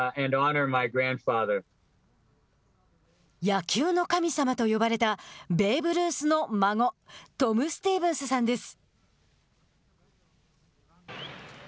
野球の神様と呼ばれたベーブ・ルースの孫トム・スティーブンスさんです。